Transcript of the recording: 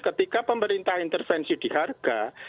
ketika pemerintah intervensi di harga